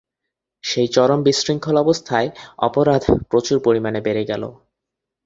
সেই চরম বিশৃঙ্খল অবস্থায় অপরাধ প্রচুর পরিমাণ বেড়ে গেলো।